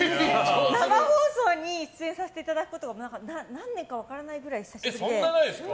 生放送に出演させていただくことが何年か分からないくらい久しぶりで。